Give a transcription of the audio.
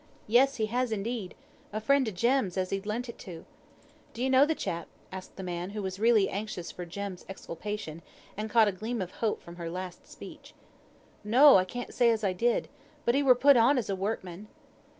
"Yes, he has indeed. A friend o' Jem's, as he'd lent it to." "Did you know the chap?" asked the man, who was really anxious for Jem's exculpation, and caught a gleam of hope from her last speech. "No! I can't say as I did. But he were put on as a workman."